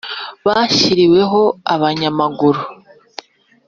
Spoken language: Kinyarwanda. bashyiriweho abanyamaguru